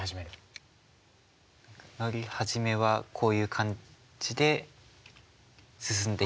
乗り始めはこういう感じで進んでいきます。